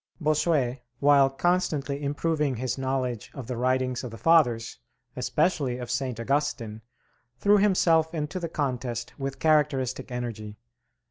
Bossuet, while constantly improving his knowledge of the writings of the Fathers, especially of St. Augustine, threw himself into the contest with characteristic energy.